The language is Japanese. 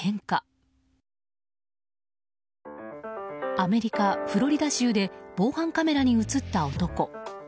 アメリカ・フロリダ州で防犯カメラに映った男。